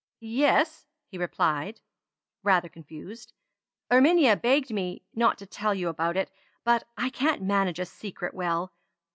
"Yes," replied he, rather confused. "Erminia begged me not to tell you about it, but I can't manage a secret well.